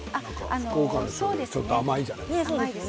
福岡のちょっと甘いじゃない。